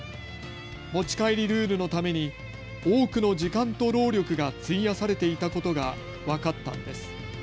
持ち帰りルールのために多くの時間と労力が費やされていたことが分かったんです。